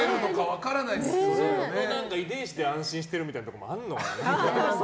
遺伝子で安心してるみたいなところもあるのかな。